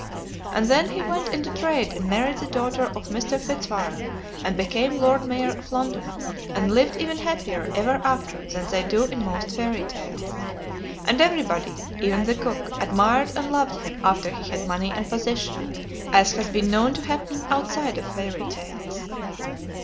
And then he went into trade and married the daughter of Mr. Fitzwarren and became Lord Mayor of London, and lived even happier ever after than they do in most fairy tales. And everybody, even the cook, admired and loved him after he had money and position, as has been known to happen outside of fairy tales.